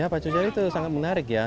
ya pacu jawi itu sangat menarik ya